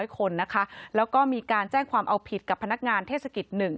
คนนะคะแล้วก็มีการแจ้งความเอาผิดกับพนักงานเทศกิจ๑